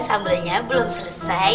sambelnya belum selesai